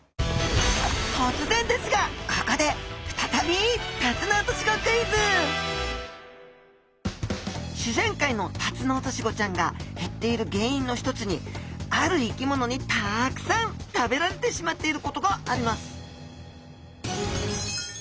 とつぜんですがここで再び自然界のタツノオトシゴちゃんが減っている原因の一つにある生き物にたくさん食べられてしまっていることがあります